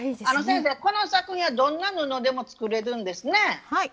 先生この作品はどんな布でも作れるんですね。